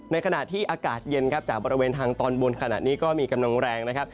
ในขณะที่อากาศเย็นครับจากบริเวณทางตอนบนขณะนี้ก็มีกำลังแรงนะครับ